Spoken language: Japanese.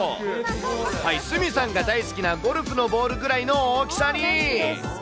はい、鷲見さんが大好きなゴルフのボールぐらいの大きさに。